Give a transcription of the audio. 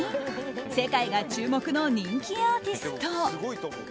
世界が注目の人気アーティスト。